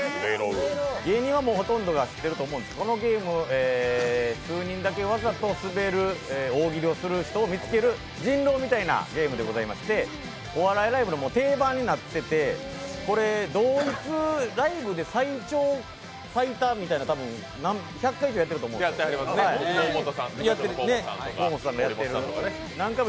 芸人はもうほとんどが知ってると思いますが、このゲーム、数人だけわざとスベる大喜利をする人を見つける「人狼」みたいなゲームでございましてお笑いライブでも定番みたいになってましてこれ、同一ライブで最長最多みたいな１００回ぐらいやっていると思うんですけど河本さんとかやってはりますね。